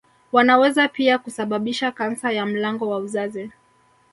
Wanaweza pia kusababisha kansa ya mlango wa uzazi